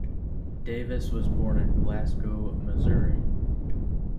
Davis was born in Glasgow, Missouri.